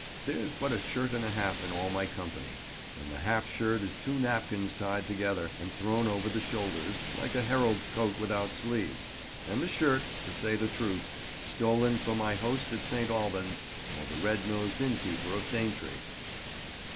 There's but a shirt and a half in all my company; and the half shirt is two napkins tied together, and thrown over the shoulders, like a herald's coat without sleeves; and the shirt, to say the truth, stolen from my host at Saint Albans, or the red nosed innkeeper of Daintry."